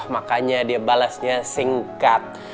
makanya dia balasnya sengkat